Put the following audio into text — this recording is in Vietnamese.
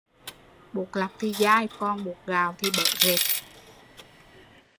Bột lọc thì dai còn bột gạo thì bở rệt